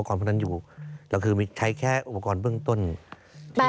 แล้วความเหนื่อยระเนี่ยมันจะมากกว่าเดินปกติตั้งเท่าไหร่